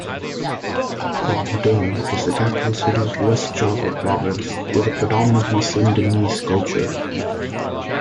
Bandung is the capital city of West Java province with a predominantly Sundanese culture.